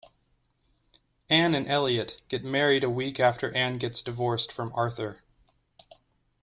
Anne and Eliot get married a week after Anne gets divorced from Arthur.